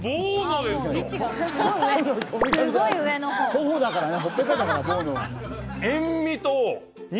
頬だからね